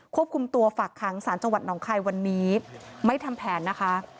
ควบคุมตัวฝากค้างสารจังหวัดหนองคายวันนี้ไม่ทำแผนนะคะ